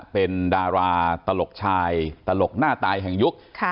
เป็นดาราตลกชายตลกหน้าตายแห่งยุค